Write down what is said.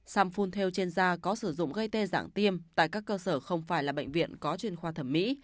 samun theo trên da có sử dụng gây tê dạng tiêm tại các cơ sở không phải là bệnh viện có chuyên khoa thẩm mỹ